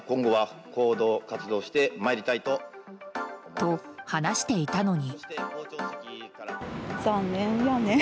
と、話していたのに。